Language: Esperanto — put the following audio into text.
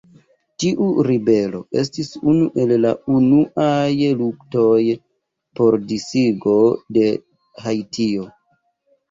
Tiu ribelo estis unu el la unuaj luktoj por disigo de Haitio.